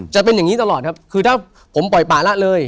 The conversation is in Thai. จะเป็นอย่างนี้ตลอดครับคือถ้าผมปล่อยป่าละเลย